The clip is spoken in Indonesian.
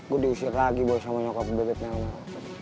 gue diusir lagi sama nyokap bebet melmel